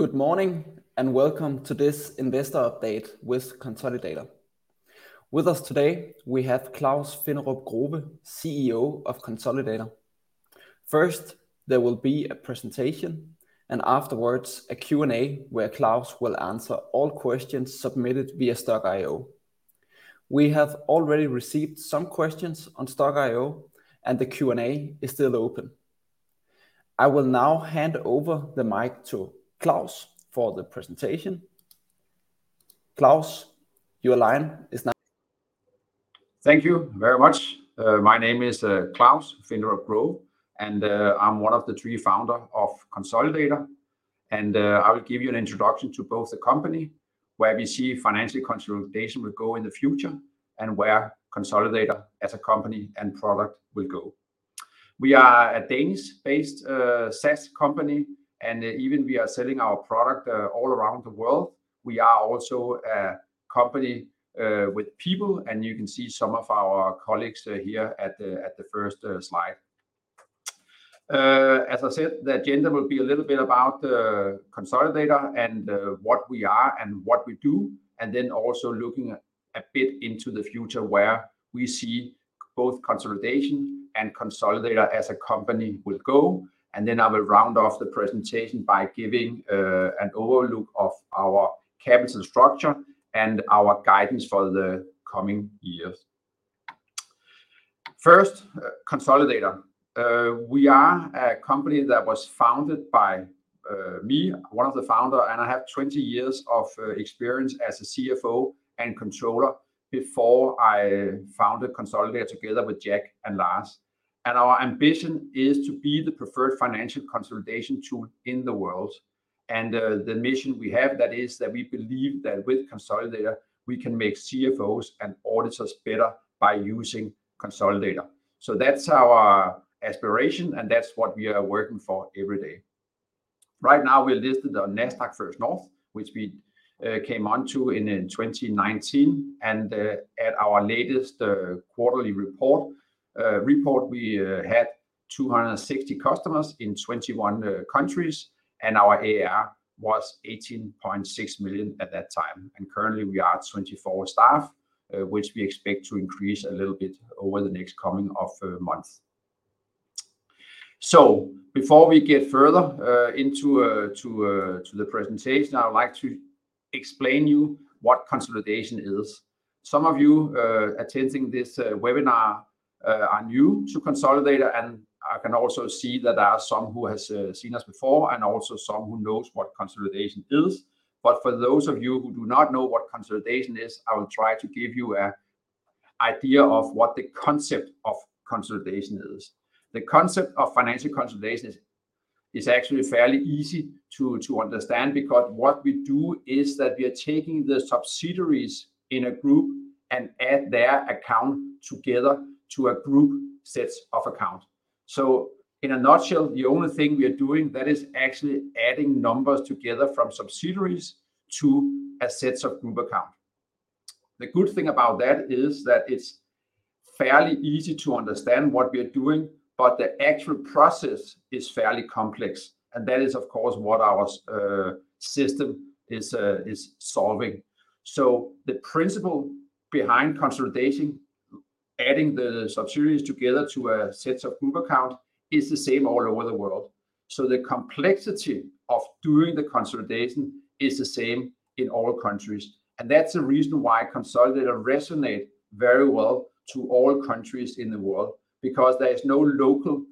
Good morning. Welcome to this investor update with Konsolidator. With us today, we have Claus Finderup Grove, CEO of Konsolidator. First, there will be a presentation, and afterwards a Q&A, where Claus will answer all questions submitted via Stokk.io. We have already received some questions on Stokk.io, and the Q&A is still open. I will now hand over the mic to Claus for the presentation. Claus, your line is now. Thank you very much. My name is Claus Finderup Grove, and I'm one of the three founders of Konsolidator, and I will give you an introduction to both the company, where we see financial consolidation will go in the future, and where Konsolidator as a company and product will go. We are a Danish-based SaaS company. Even we are selling our product all around the world. We are also a company with people. You can see some of our colleagues here at the first slide. As I said, the agenda will be a little bit about Konsolidator and what we are and what we do, and then also looking a bit into the future, where we see both consolidation and Konsolidator as a company will go. Then I will round off the presentation by giving an overview of our capital structure and our guidance for the coming years. First, Konsolidator. We are a company that was founded by me, one of the founder, and I have 20 years of experience as a CFO and controller before I founded Konsolidator together with Jack and Lars. Our ambition is to be the preferred financial consolidation tool in the world. The mission we have, that is that we believe that with Konsolidator, we can make CFOs and auditors better by using Konsolidator. That's our aspiration, and that's what we are working for every day. Right now, we're listed on Nasdaq First North, which we came onto in 2019, and at our latest quarterly report, we had 260 customers in 21 countries, and our ARR was 18.6 million at that time. Currently we are 24 staff, which we expect to increase a little bit over the next coming of months. Before we get further into the presentation, I would like to explain you what consolidation is. Some of you attending this webinar are new to Konsolidator, and I can also see that there are some who has seen us before and also some who knows what consolidation is. For those of you who do not know what consolidation is, I will try to give you an idea of what the concept of consolidation is. The concept of financial consolidation is actually fairly easy to understand because what we do is that we are taking the subsidiaries in a group and add their account together to a group sets of account. In a nutshell, the only thing we are doing that is actually adding numbers together from subsidiaries to a sets of group account. The good thing about that is that it's fairly easy to understand what we are doing, but the actual process is fairly complex, and that is, of course, what our system is solving. The principle behind consolidation, adding the subsidiaries together to a sets of group account, is the same all over the world. The complexity of doing the consolidation is the same in all countries, and that's the reason why Konsolidator resonate very well to all countries in the world, because there is no local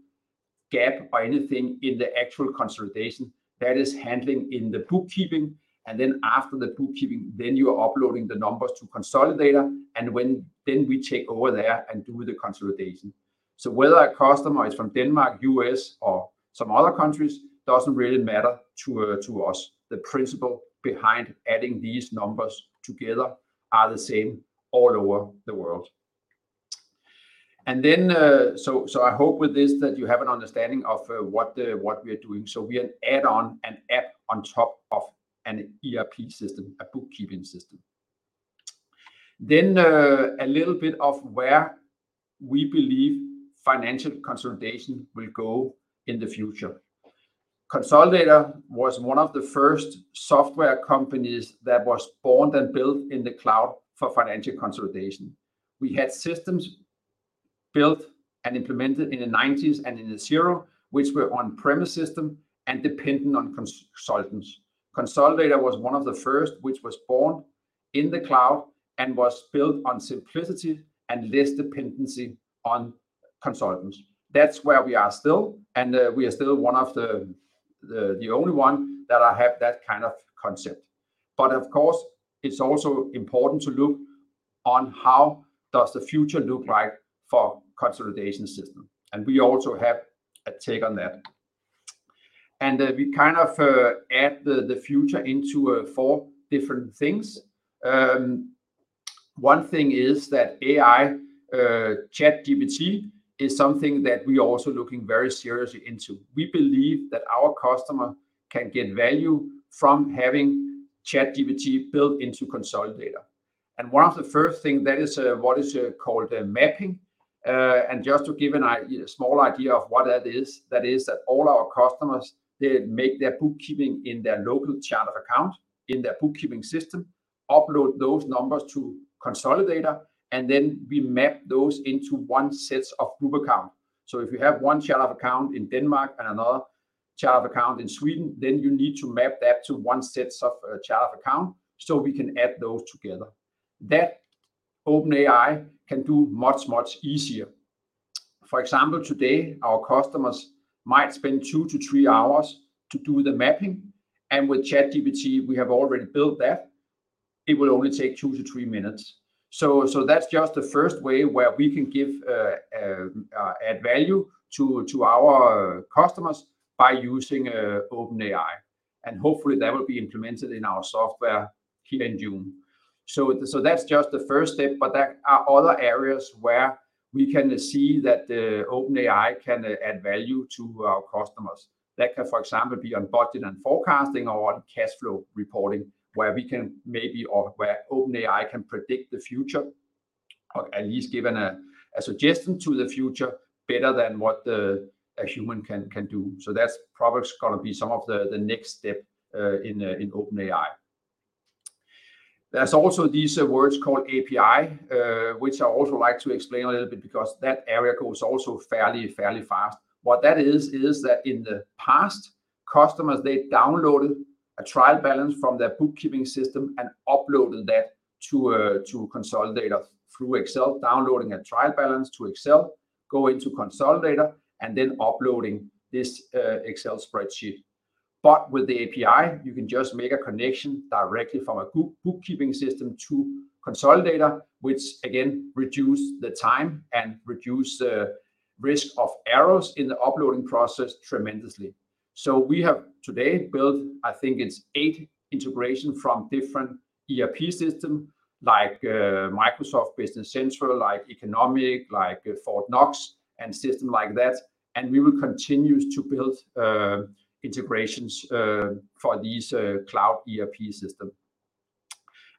gap or anything in the actual consolidation that is handling in the bookkeeping. After the bookkeeping, then you are uploading the numbers to Konsolidator, then we take over there and do the consolidation. Whether a customer is from Denmark, U.S., or some other countries, doesn't really matter to us. The principle behind adding these numbers together are the same all over the world. So I hope with this that you have an understanding of what we are doing. We are an add-on, an app on top of an ERP system, a bookkeeping system. A little bit of where we believe financial consolidation will go in the future. Konsolidator was one of the first software companies that was born and built in the cloud for financial consolidation. We had systems built and implemented in the nineties and in the Xero, which were on-premise system and dependent on consultants. Konsolidator was one of the first, which was born in the cloud and was built on simplicity and less dependency on consultants. That's where we are still, and we are still one of the only one that have that kind of concept. Of course, it's also important to look on how does the future look like for consolidation system, and we also have a take on that. We kind of add the future into four different things. One thing is that AI, ChatGPT, is something that we are also looking very seriously into. We believe that our customer can get value from having ChatGPT built into Konsolidator. One of the first thing that is what is called a mapping. Just to give a small idea of what that is, that is that all our customers, they make their bookkeeping in their local chart of account, in their bookkeeping system, upload those numbers to Konsolidator, then we map those into one set of group account. If you have one chart of account in Denmark and another chart of account in Sweden, then you need to map that to one set of chart of account, so we can add those together. That OpenAI can do much, much easier. For example, today, our customers might spend 2 to 3 hours to do the mapping, and with ChatGPT, we have already built that, it will only take 2 to 3 minutes. That's just the first way where we can give add value to our customers by using OpenAI, and hopefully that will be implemented in our software here in June. That's just the first step, but there are other areas where we can see that the OpenAI can add value to our customers. That can, for example, be on budgeting and forecasting or on cash flow reporting, where we can maybe or where OpenAI can predict the future, or at least give a suggestion to the future better than what a human can do. That's probably going to be some of the next step in OpenAI. There's also these words called API, which I also like to explain a little bit, because that area goes also fairly fast. What that is that in the past, customers, they downloaded a trial balance from their bookkeeping system and uploaded that to Konsolidator through Excel, downloading a trial balance to Excel, go into Konsolidator, and then uploading this Excel spreadsheet. With the API, you can just make a connection directly from a bookkeeping system to Konsolidator, which again, reduce the time and reduce the risk of errors in the uploading process tremendously. We have today built, I think it's eight integration from different ERP system like Microsoft Business Central, like e-conomic, like Fortnox and system like that. We will continue to build integrations for these cloud ERP system.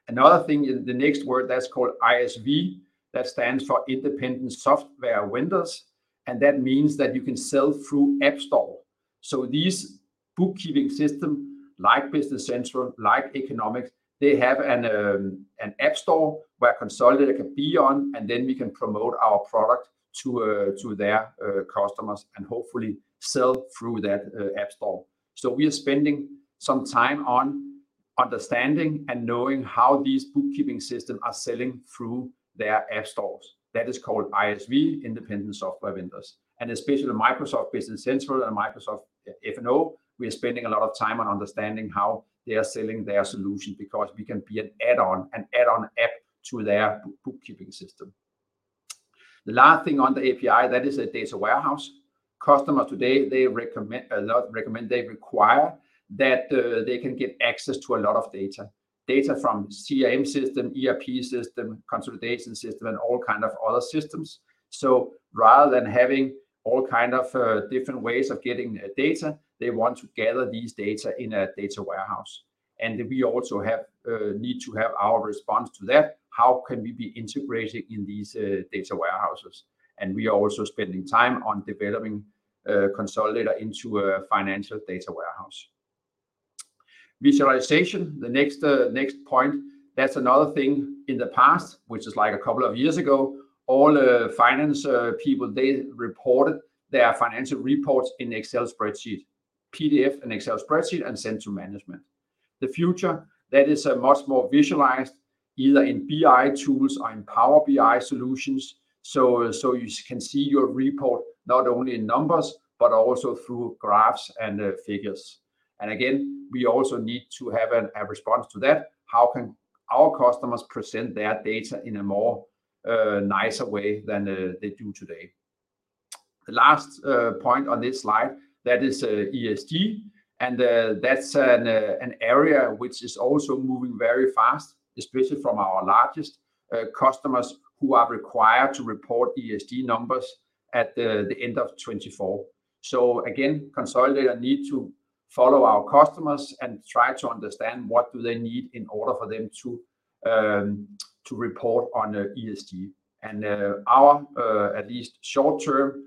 Another thing is the next word that is called ISV, that stands for Independent Software Vendors, that means that you can sell through App Store. These bookkeeping system, like Business Central, like e-conomic, they have an App Store where Konsolidator can be on, then we can promote our product to their customers and hopefully sell through that App Store. We are spending some time on understanding and knowing how these bookkeeping system are selling through their App Stores. That is called ISV, Independent Software Vendors, especially Microsoft Business Central and Microsoft F&O, we are spending a lot of time on understanding how they are selling their solution, because we can be an add-on, an add-on app to their bookkeeping system. The last thing on the API, that is a data warehouse. Customer today, they not recommend, they require that they can get access to a lot of data. Data from CRM system, ERP system, consolidation system, and all kind of other systems. Rather than having all kind of different ways of getting the data, they want to gather these data in a data warehouse. We also have need to have our response to that. How can we be integrated in these data warehouses? We are also spending time on developing Konsolidator into a financial data warehouse. Visualisation, the next point, that's another thing. In the past, which is like 2 years ago, all finance people, they reported their financial reports in Excel spreadsheet, PDF and Excel spreadsheet and sent to management. The future, that is, much more visualised, either in BI tools or in Power BI solutions. You can see your report not only in numbers, but also through graphs and figures. Again, we also need to have a response to that. How can our customers present their data in a more nicer way than they do today? The last point on this slide, that is ESG, that's an area which is also moving very fast, especially from our largest customers who are required to report ESG numbers at the end of 2024. Again, Konsolidator need to follow our customers and try to understand what do they need in order for them to report on the ESG. Our at least short-term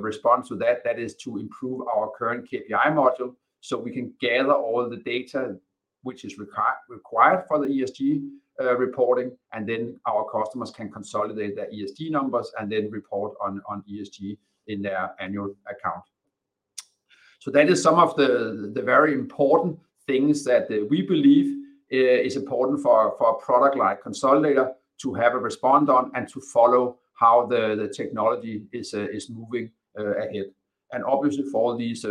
response to that is to improve our current KPI module, so we can gather all the data which is required for the ESG reporting, and our customers can consolidate their ESG numbers and report on ESG in their annual account. That is some of the very important things that we believe is important for a product like Konsolidator to have a respond on and to follow how the technology is moving ahead. Obviously, for these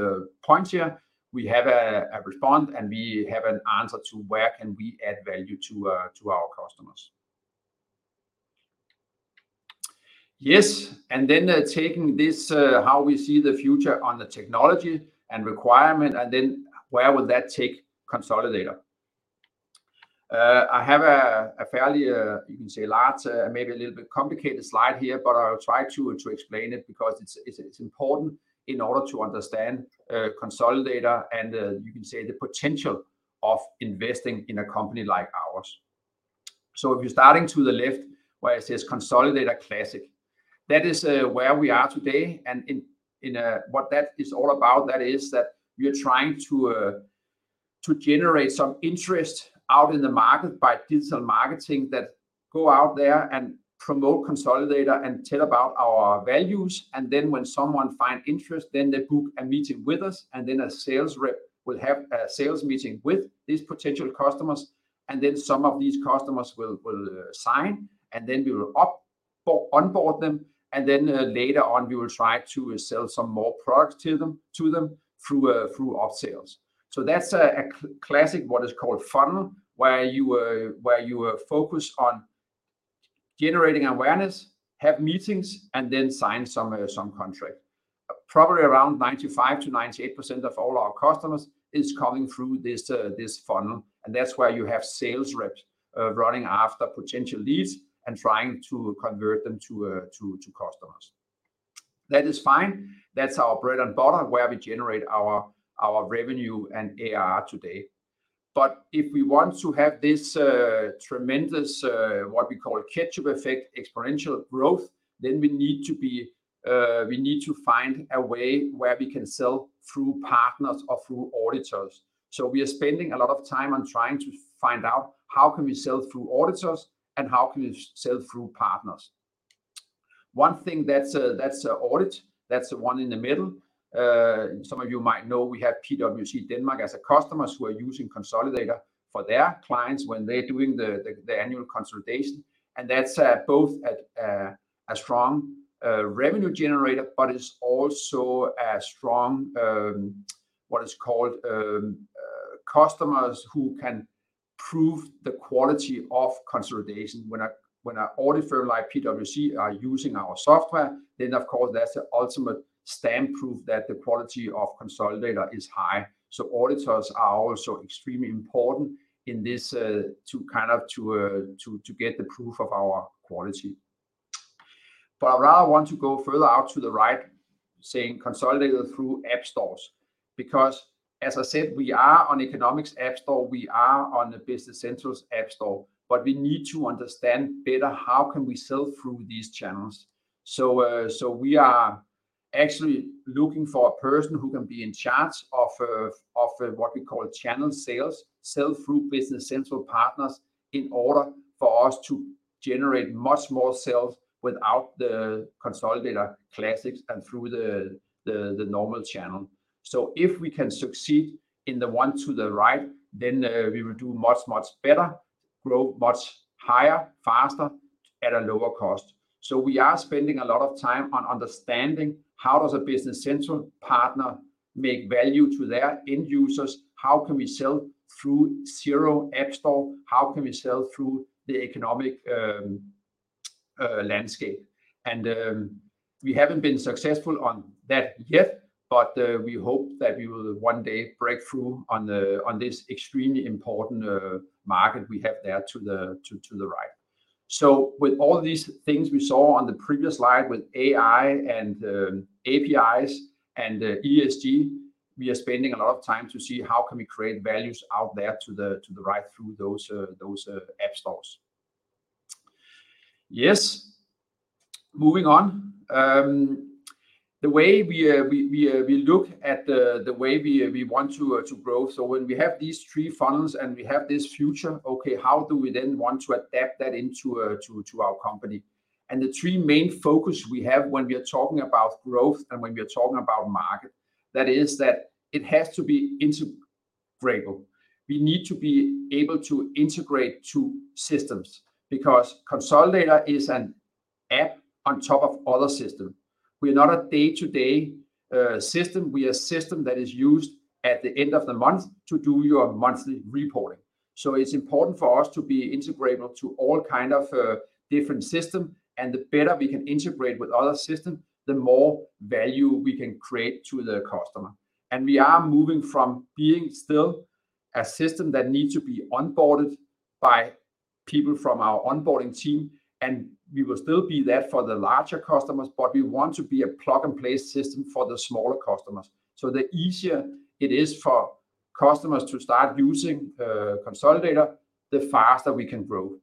points here, we have a respond and we have an answer to where can we add value to our customers. Taking this how we see the future on the technology and requirement, where would that take Konsolidator? I have a fairly, you can say large, maybe a little bit complicated slide here, but I'll try to explain it because it's important in order to understand Konsolidator and, you can say the potential of investing in a company like ours. If you're starting to the left, where it says Konsolidator Classic, that is where we are today, and in what that is all about, that is that we are trying to generate some interest out in the market by digital marketing, that go out there and promote Konsolidator and tell about our values. When someone find interest, they book a meeting with us. A sales rep will have a sales meeting with these potential customers. Some of these customers will sign. We will onboard them. Later on, we will try to sell some more products to them through up-sales. That's a classic, what is called funnel, where you are focused on generating awareness, have meetings, and then sign some contract. Probably around 95%-98% of all our customers is coming through this funnel, and that's why you have sales reps running after potential leads and trying to convert them to customers. That is fine. That's our bread and butter, where we generate our revenue and ARR today. If we want to have this tremendous, what we call a ketchup effect, exponential growth, then we need to be, we need to find a way where we can sell through partners or through auditors. We are spending a lot of time on trying to find out how can we sell through auditors, and how can we sell through partners? One thing that's audit, that's the one in the middle. Some of you might know we have PwC Denmark as a customers who are using Konsolidator for their clients when they're doing the annual consolidation, that's both at a strong revenue generator, but it's also a strong, what is called, customers who can prove the quality of consolidation. When an auditor like PwC are using our software, of course, that's the ultimate stamp proof that the quality of Konsolidator is high. Auditors are also extremely important in this to kind of get the proof of our quality. I rather want to go further out to the right, saying Konsolidator through App Stores, because as I said, we are on e-conomic App Store, we are on the Business Central's App Store, but we need to understand better, how can we sell through these channels? We are actually looking for a person who can be in charge of, what we call channel sales. Sell through Business Central partners in order for us to generate much more sales without the Konsolidator Classics and through the normal channel. If we can succeed in the one to the right, then we will do much, much better, grow much higher, faster, at a lower cost. We are spending a lot of time on understanding how does a Business Central partner make value to their end users? How can we sell through Xero App Store? How can we sell through the e-conomic landscape? We haven't been successful on that yet, we hope that we will one day break through on this extremely important market we have there to the right. With all these things we saw on the previous slide, with AI and APIs and ESG, we are spending a lot of time to see how can we create values out there to the right, through those app stores. Yes. Moving on, the way we look at the way we want to grow, so when we have these three funnels and we have this future, okay, how do we then want to adapt that into our company? The three main focus we have when we are talking about growth and when we are talking about market, that is that it has to be integrable. We need to be able to integrate two systems, because Konsolidator is an app on top of other system. We are not a day-to-day system. We are a system that is used at the end of the month to do your monthly reporting. It's important for us to be integrable to all kind of different system. The better we can integrate with other system, the more value we can create to the customer. We are moving from being still a system that needs to be onboarded by people from our onboarding team, and we will still be that for the larger customers, but we want to be a plug-and-play system for the smaller customers. The easier it is for customers to start using Konsolidator, the faster we can grow.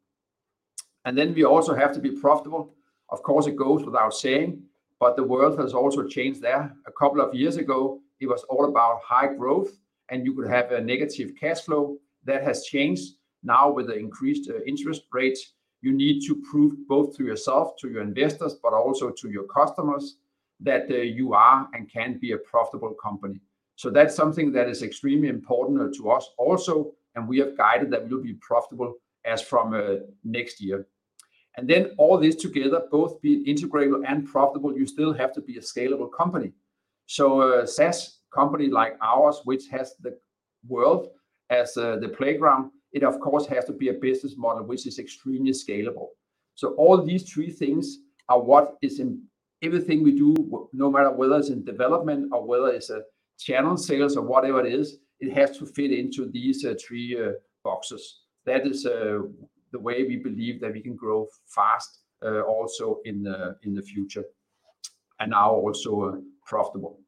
We also have to be profitable. Of course, it goes without saying, but the world has also changed there. 2 years ago, it was all about high growth, and you could have a negative cash flow. That has changed. With the increased interest rates, you need to prove, both to yourself, to your investors, but also to your customers, that you are and can be a profitable company. That's something that is extremely important to us also, and we have guided that we will be profitable as from next year. All this together, both being integrable and profitable, you still have to be a scalable company. A SaaS company like ours, which has the world as the playground, it of course has to be a business model which is extremely scalable. All these three things are what is in everything we do, no matter whether it's in development or whether it's channel sales or whatever it is, it has to fit into these three boxes. That is the way we believe that we can grow fast, also in the future, and are also profitable.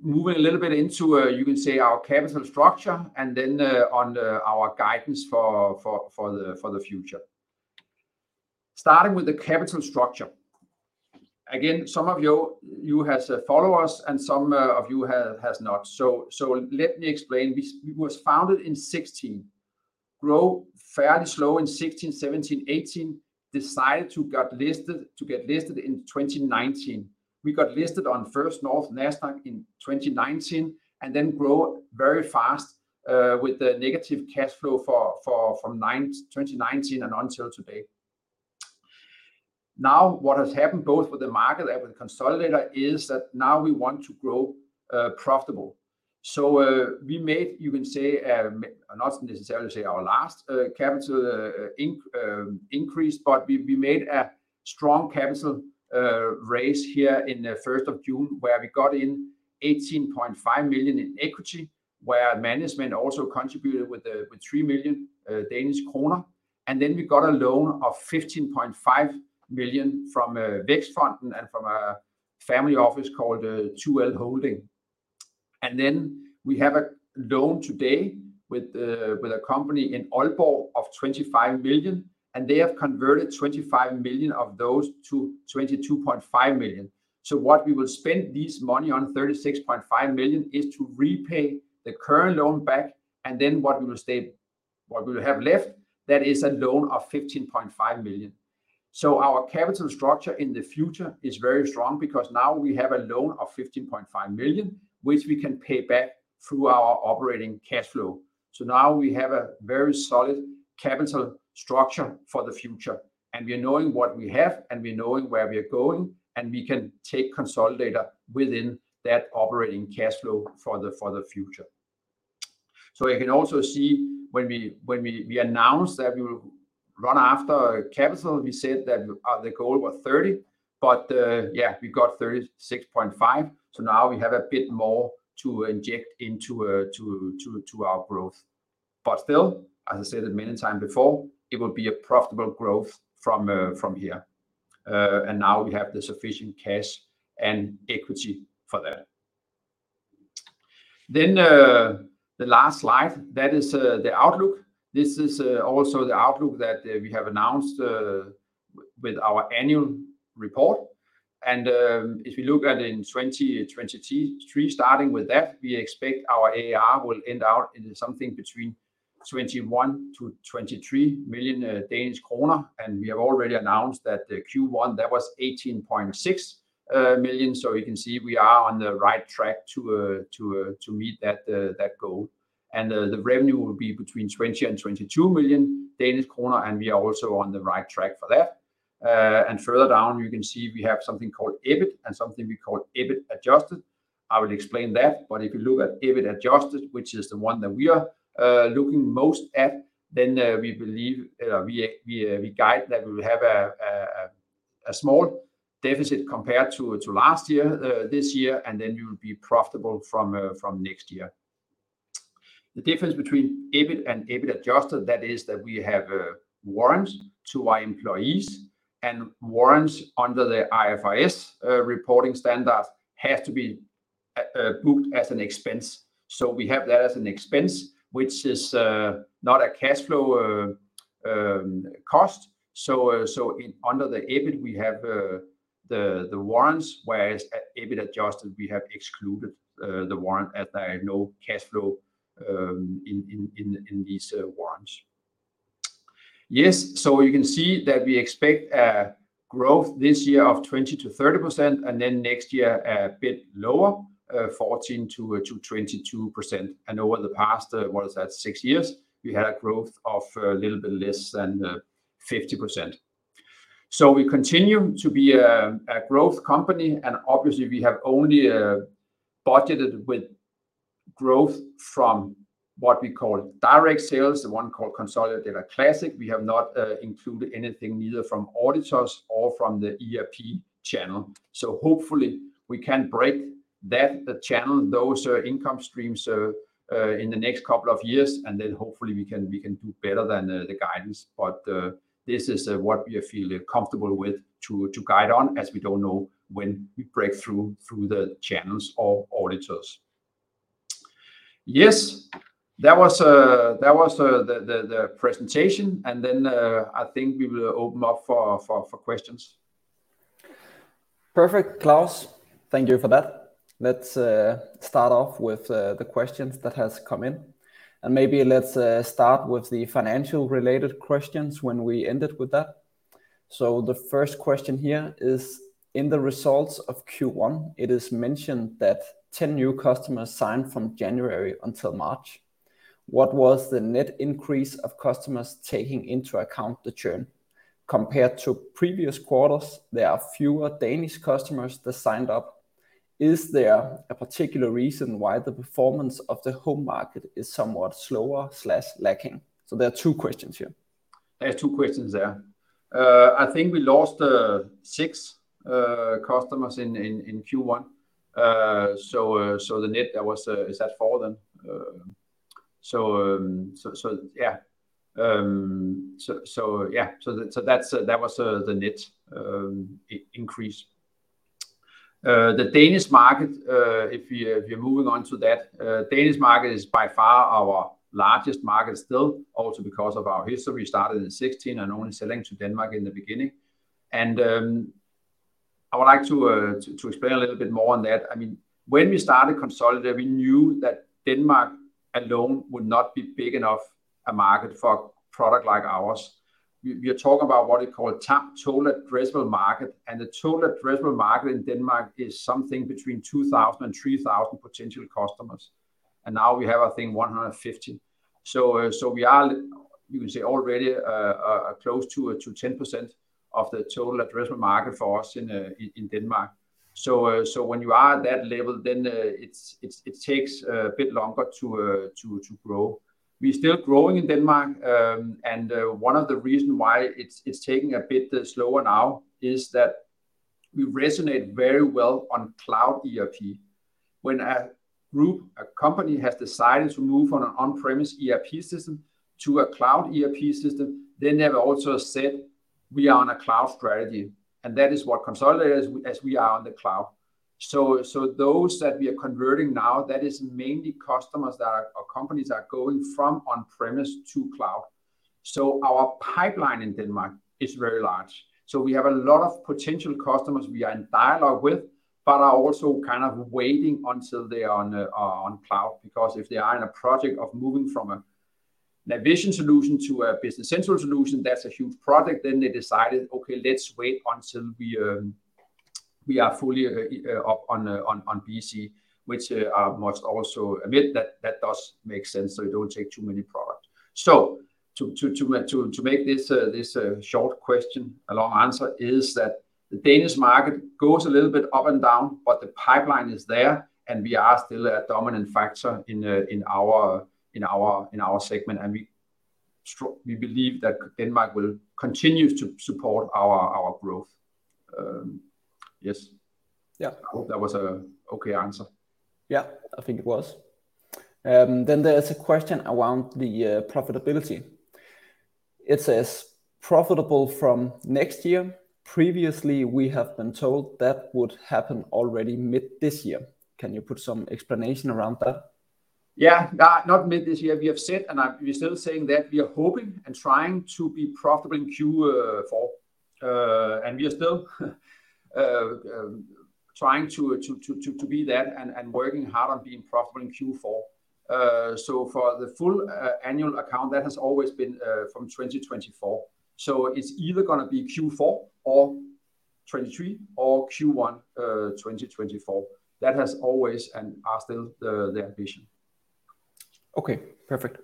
Moving a little bit into, you can say our capital structure, and then our guidance for the future. Starting with the capital structure, again, some of you has follow us and some of you has not. Let me explain. We was founded in 16, grow fairly slow in 16, 17, 18. Decided to get listed in 2019. We got listed on Nasdaq First North in 2019, and then grow very fast with the negative cash flow from 2019 and until today. What has happened both with the market and with Konsolidator is that now we want to grow profitable. We made, you can say, not necessarily say our last capital increase, but we made a strong capital raise here in the first of June, where we got in 18.5 million in equity, where management also contributed with 3 million Danish kroner. We got a loan of 15.5 million from Vækstfonden and from a family office called 2L Holding. We have a loan today with a company in Aalborg of 25 million, and they have converted 25 million of those to 22.5 million. What we will spend this money on, 36.5 million, is to repay the current loan back, and then what we will have left, that is a loan of 15.5 million. Our capital structure in the future is very strong because now we have a loan of 15.5 million, which we can pay back through our operating cash flow. Now we have a very solid capital structure for the future, and we are knowing what we have, and we're knowing where we are going, and we can take Konsolidator within that operating cash flow for the future. You can also see when we announced that we will run after capital, we said that the goal was 30, but we got 36.5. Now we have a bit more to inject into our growth. Still, as I said many times before, it will be a profitable growth from here. Now we have the sufficient cash and equity for that. The last slide, that is the outlook. This is also the outlook that we have announced with our annual report. If you look at in 2023, starting with that, we expect our ARR will end out in something between 21 million-23 million Danish kroner, and we have already announced that the Q1, that was 18.6 million. You can see we are on the right track to meet that goal. The revenue will be between 20 million and 22 million Danish kroner, and we are also on the right track for that. Further down you can see we have something called EBIT and something we call EBIT adjusted. I will explain that, but if you look at EBIT adjusted, which is the one that we are looking most at, then we believe we guide that we will have a small deficit compared to last year this year, and then we will be profitable from next year. The difference between EBIT and EBIT adjusted, that is that we have warrants to our employees, and warrants under the IFRS reporting standards have to be booked as an expense. We have that as an expense, which is not a cash flow cost. In under the EBIT we have the warrants, whereas at EBIT adjusted, we have excluded the warrant as there are no cash flow in these warrants. You can see that we expect a growth this year of 20%-30%, and then next year, a bit lower, 14%-22%. Over the past, what is that? 6 years, we had a growth of a little bit less than 50%. We continue to be a growth company, and obviously we have only budgeted with growth from what we call direct sales, the one called Konsolidator Classic. We have not included anything, neither from auditors or from the ERP channel. Hopefully we can break that channel, those income streams in the next couple of years. Hopefully we can do better than the guidance. This is what we feel comfortable with to guide on, as we don't know when we break through the channels or auditors. That was the presentation. I think we will open up for questions. Perfect, Claus. Thank you for that. Let's start off with the questions that has come in, and maybe let's start with the financial-related questions when we ended with that. The first question here is: In the results of Q1, it is mentioned that 10 new customers signed from January until March. What was the net increase of customers taking into account the churn? Compared to previous quarters, there are fewer Danish customers that signed up. Is there a particular reason why the performance of the home market is somewhat slower/lacking? There are two questions here. There are two questions there. I think we lost 6 customers in Q1. So the net that was, is that 4 then? So, yeah. So, yeah, so that's, that was the net increase. The Danish market, if we're moving on to that, Danish market is by far our largest market still, also because of our history, started in 2016 and only selling to Denmark in the beginning. I would like to explain a little bit more on that. I mean, when we started Konsolidator, we knew that Denmark alone would not be big enough a market for a product like ours. We are talking about what you call top total addressable market. The total addressable market in Denmark is something between 2,000 and 3,000 potential customers. Now we have, I think, 150. We are, you can say, already close to 10% of the total addressable market for us in Denmark. When you are at that level, then it takes a bit longer to grow. We're still growing in Denmark. One of the reason why it's taking a bit slower now is that we resonate very well on cloud ERP. When a group, a company has decided to move on an on-premise ERP system to a cloud ERP system, they have also said, "We are on a cloud strategy," and that is what Konsolidator is, as we are on the cloud. Those that we are converting now, that is mainly customers that are, or companies that are going from on-premise to cloud. Our pipeline in Denmark is very large. We have a lot of potential customers we are in dialogue with, but are also kind of waiting until they are on cloud, because if they are in a project of moving from a Navision solution to a Business Central solution, that's a huge project. They decided, "Okay, let's wait until we are fully on BC," which I must also admit that that does make sense, so you don't take too many products. To make this short question a long answer is that the Danish market goes a little bit up and down, but the pipeline is there, and we are still a dominant factor in our segment. We believe that Denmark will continue to support our growth. yes. Yeah. I hope that was a okay answer. Yeah, I think it was. There is a question around the profitability. It says, "Profitable from next year? Previously, we have been told that would happen already mid this year." Can you put some explanation around that? Yeah. Not mid this year. We have said, and I'm, we're still saying that we are hoping and trying to be profitable in Q4, and we are still trying to be that and working hard on being profitable in Q4. For the full annual account, that has always been from 2024. It's either going to be Q4 or 2023 or Q1, 2024. That has always and are still the ambition. Okay, perfect.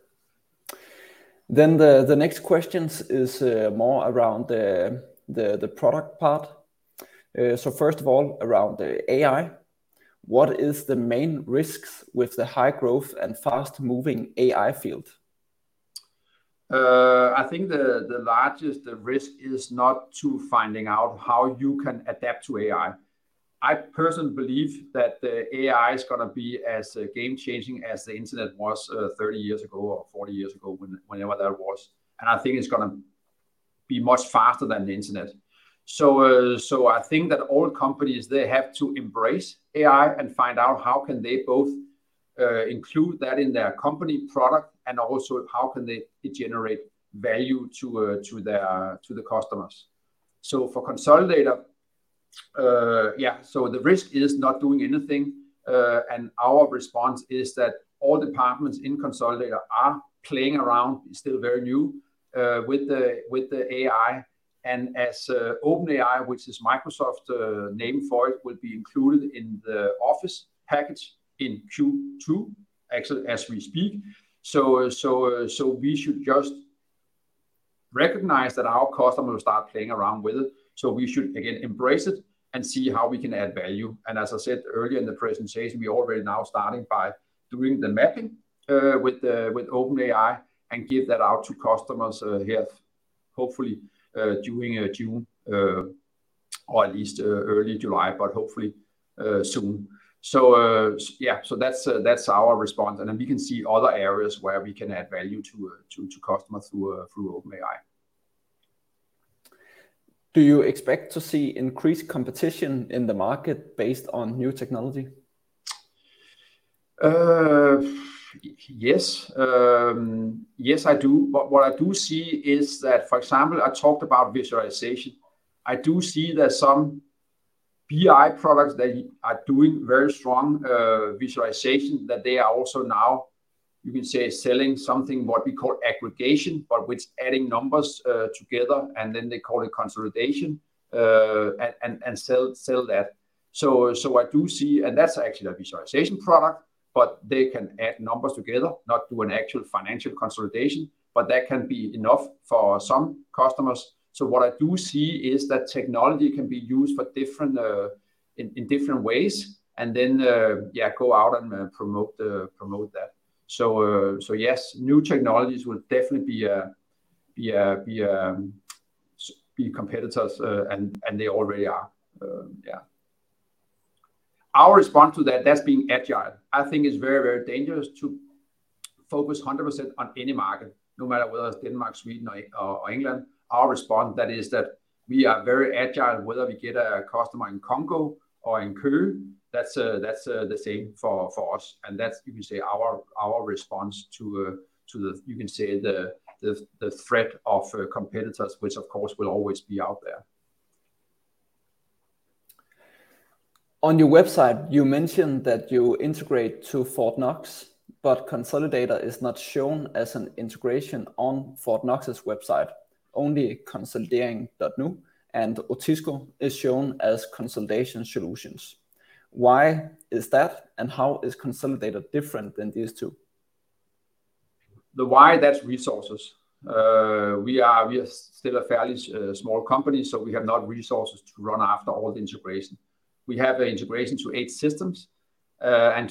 The next questions is more around the product part. First of all, around the AI, what is the main risks with the high growth and fast-moving AI field? I think the largest risk is not to finding out how you can adapt to AI. I personally believe that the AI is going to be as game changing as the internet was 30 years ago or 40 years ago, when, whenever that was, and I think it's going to be much faster than the internet. I think that all companies, they have to embrace AI and find out how can they both include that in their company product, and also how can they generate value to the customers. For Konsolidator, yeah, the risk is not doing anything. Our response is that all departments in Konsolidator are playing around. It's still very new with the AI. As OpenAI, which is Microsoft name for it, will be included in the Office package in Q2, actually, as we speak. We should just recognise that our customers will start playing around with it, so we should again embrace it and see how we can add value. As I said earlier in the presentation, we are already now starting by doing the mapping with OpenAI and give that out to customers here, hopefully, during June, or at least early July, but hopefully soon. Yeah, that's our response. We can see other areas where we can add value to customers through OpenAI. Do you expect to see increased competition in the market based on new technology? Yes, yes, I do. What I do see is that, for example, I talked about visualisation. I do see that some BI products, they are doing very strong visualisation, that they are also now, you can say, selling something, what we call aggregation, but which adding numbers together, and then they call it consolidation, and sell that. I do see. And that's actually a visualisation product, but they can add numbers together, not do an actual financial consolidation, but that can be enough for some customers. What I do see is that technology can be used for different in different ways, and then, yeah, go out and promote that. Yes, new technologies will definitely be competitors, and they already are, yeah. Our response to that's being agile. I think it's very, very dangerous to focus 100% on any market, no matter whether it's Denmark, Sweden, or England. Our response that is that we are very agile, whether we get a customer in Congo or in Köln, that's the same for us, and that's, you can say our response to the, you can say, the threat of competitors, which of course, will always be out there. On your website, you mentioned that you integrate to Fortnox, but Konsolidator is not shown as an integration on Fortnox's website, only konsolidering.nu and Otisco is shown as consolidation solutions. Why is that, and how is Konsolidator different than these two? The why, that's resources. We are still a fairly small company, so we have not resources to run after all the integration. We have the integration to 8 systems.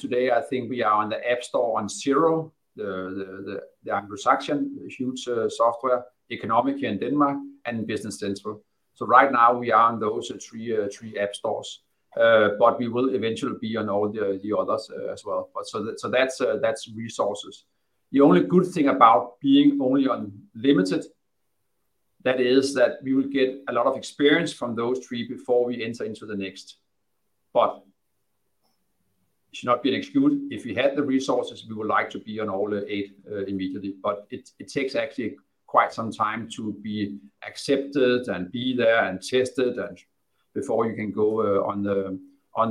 Today I think we are on the App Store on Xero, Agresso, huge software, e-conomic in Denmark, and Business Central. Right now we are on those 3 app stores. We will eventually be on all the others as well. That's resources. The only good thing about being only on limited, that is that we will get a lot of experience from those 3 before we enter into the next. It should not be an excuse. If we had the resources, we would like to be on all the 8 immediately, but it takes actually quite some time to be accepted and be there and tested, and before you can go on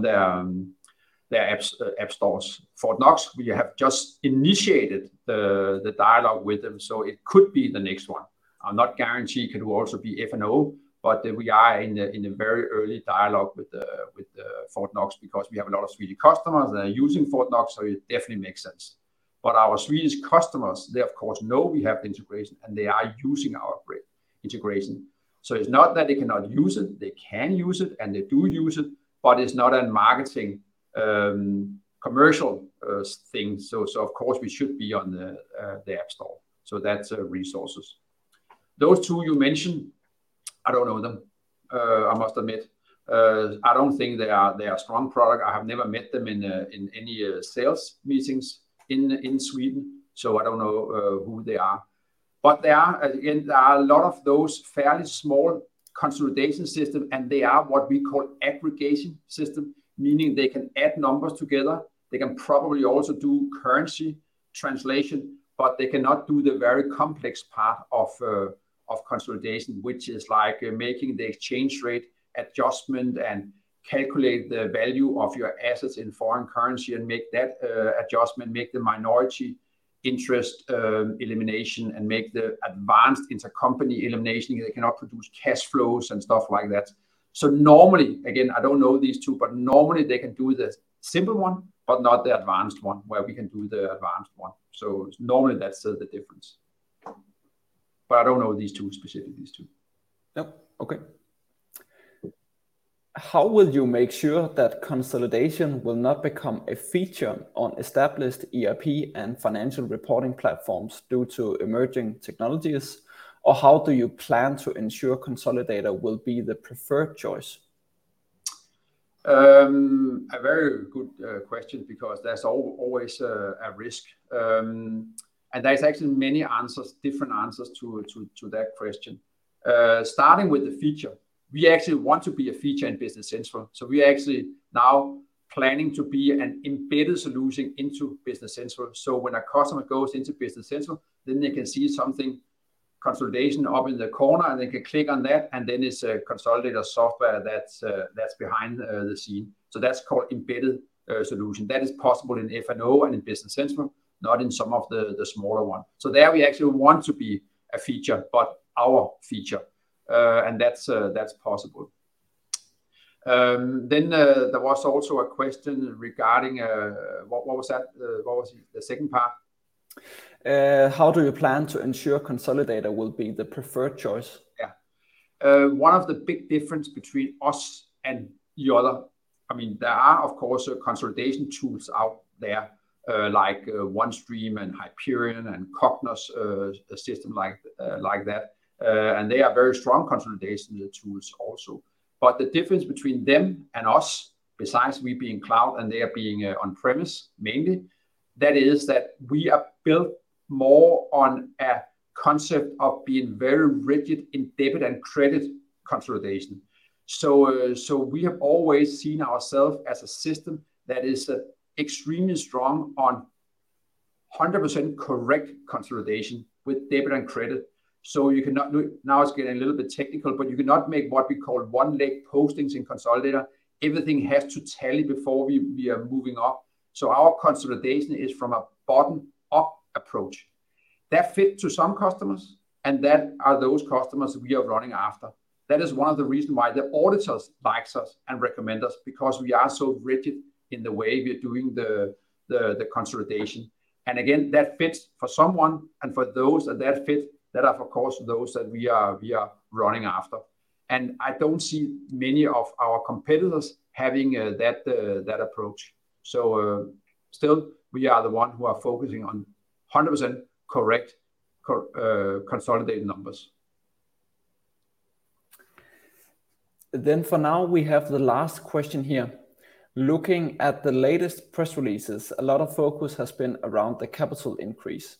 the app stores. Fortnox, we have just initiated the dialogue with them, so it could be the next one. I'm not guarantee it could also be F&O. We are in a very early dialogue with the Fortnox because we have a lot of Swedish customers that are using Fortnox, so it definitely makes sense. Our Swedish customers, they of course know we have the integration, and they are using our integration. It's not that they cannot use it. They can use it, and they do use it, but it's not a marketing commercial thing. Of course we should be on the App Store, that's resources. Those two you mentioned, I don't know them, I must admit. I don't think they are strong product. I have never met them in any sales meetings in Sweden, so I don't know who they are. They are, again, there are a lot of those fairly small consolidation system, and they are what we call aggregation system, meaning they can add numbers together. They can probably also do currency translation, but they cannot do the very complex part of consolidation, which is like making the exchange rate adjustment and calculate the value of your assets in foreign currency and make that adjustment, make the minority interest elimination, and make the advanced inter-company elimination. They cannot produce cash flows and stuff like that. Normally, again, I don't know these two, but normally they can do the simple one, but not the advanced one, where we can do the advanced one. Normally, that's the difference. I don't know these two, specifically these two. Yep. Okay. How will you make sure that consolidation will not become a feature on established ERP and financial reporting platforms due to emerging technologies? How do you plan to ensure Konsolidator will be the preferred choice? A very good question because there's always a risk. There's actually many answers, different answers to that question. Starting with the feature, we actually want to be a feature in Business Central, so we actually now planning to be an embedded solution into Business Central. When a customer goes into Business Central, then they can see something, consolidation up in the corner, and they can click on that, and then it's a Konsolidator software that's behind the scene. That's called embedded solution. That is possible in F&O and in Business Central, not in some of the smaller one. There we actually want to be a feature, but our feature, and that's possible. Then there was also a question regarding... What was that? What was the second part? How do you plan to ensure Konsolidator will be the preferred choice? Yeah. One of the big difference between us and the other, I mean, there are, of course, consolidation tools out there, like OneStream and Hyperion and Cognos, system like that, they are very strong consolidation tools also. The difference between them and us, besides we being cloud and they are being, on premise, mainly, that is that we are built more on a concept of being very rigid in debit and credit consolidation. We have always seen ourself as a system that is extremely strong on 100% correct consolidation with debit and credit. You cannot do it... Now, it's getting a little bit technical, but you cannot make what we call one-leg postings in Konsolidator. Everything has to tally before we are moving on. Our consolidation is from a bottom-up approach. That fit to some customers, and that are those customers we are running after. That is one of the reason why the auditors likes us and recommend us, because we are so rigid in the way we are doing the consolidation. Again, that fits for someone and for those that fit, that are of course, those that we are running after. I don't see many of our competitors having that approach. Still, we are the one who are focusing on 100% correct consolidated numbers. For now, we have the last question here. Looking at the latest press releases, a lot of focus has been around the capital increase.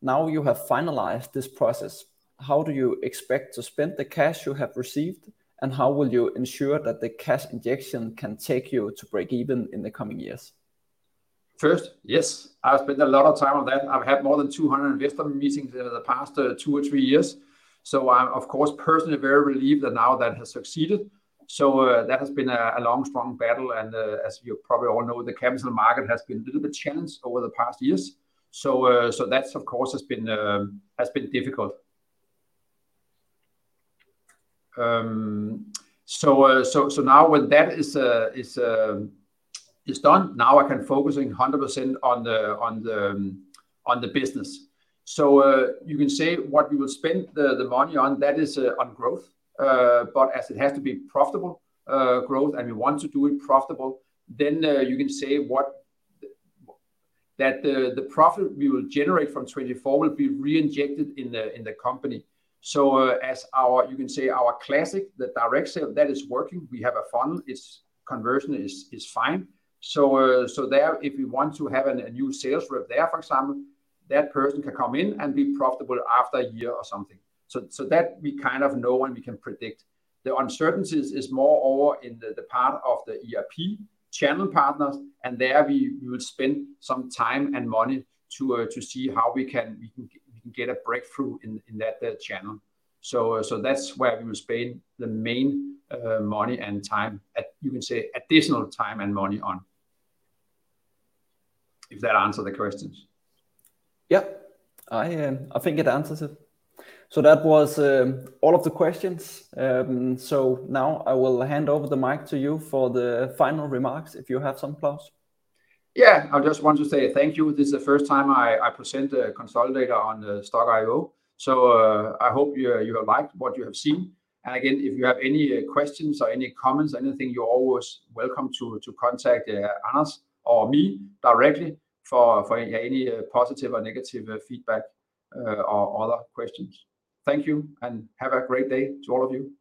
Now, you have finalized this process, how do you expect to spend the cash you have received, and how will you ensure that the cash injection can take you to break even in the coming years? First, yes, I've spent a lot of time on that. I've had more than 200 investor meetings over the past, 2 or 3 years, I'm of course, personally very relieved that now that has succeeded. That has been a long, strong battle, and as you probably all know, the capital market has been a little bit challenged over the past years. That, of course, has been difficult. Now with that is done, I can focus in 100% on the business. You can say what we will spend the money on, that is on growth. As it has to be profitable growth, we want to do it profitable, you can say that the profit we will generate from 2024 will be reinjected in the company. As our, you can say our Konsolidator Classic, the direct sale, that is working, we have a funnel. Its conversion is fine. There, if we want to have a new sales rep there, for example, that person can come in and be profitable after 1 year or something. That we kind of know and we can predict. The uncertainties is more over in the part of the ERP channel partners, there we will spend some time and money to see how we can get a breakthrough in that channel. That's where we will spend the main money and time, you can say additional time and money on. If that answer the questions? Yeah, I think it answers it. That was all of the questions. Now I will hand over the mic to you for the final remarks, if you have some, Claus. Yeah, I just want to say thank you. This is the first time I present a consolidated on the Stokk.io, so I hope you have liked what you have seen. Again, if you have any questions or any comments, anything, you're always welcome to contact us or me directly for any positive or negative feedback or other questions. Thank you, have a great day to all of you!